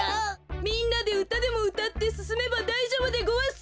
みんなでうたでもうたってすすめばだいじょうぶでごわす。